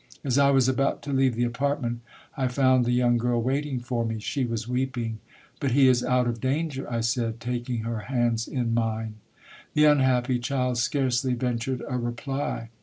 " As I was about to leave the apartment, I found the young girl waiting for me. She was weeping. * But he is out of danger !' I said, taking her hands in mine. " The unhappy child scarcely ventured a reply.